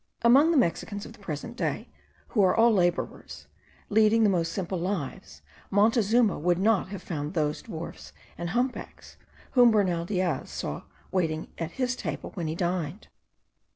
Among the Mexicans of the present day, who are all labourers, leading the most simple lives, Montezuma would not have found those dwarfs and humpbacks whom Bernal Diaz saw waiting at his table when he dined.